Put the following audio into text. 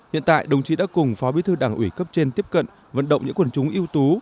hiện tại đồng chí đã cùng phó bí thư đảng ủy cấp trên tiếp cận vận động những quần chúng yếu tố